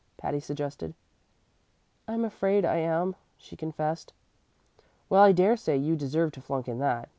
Patty suggested. "I'm afraid I am," she confessed. "Well, I dare say you deserved to flunk in that.